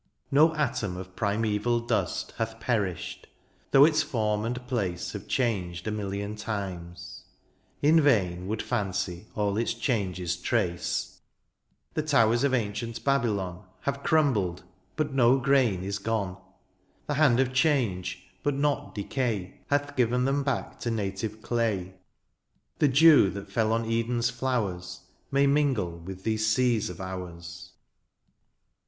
No atom of primeval dust Hath perished, though its form and place Have changed a million times : in vain Would fancy all its changes trace : The towers of ancient Babylon Have crumbled, but no grain is gone ; The hand of change, but not decay, Hath given them back to native clay : The dew that fell on Eden^s flowers. May mingle with these seas of ours.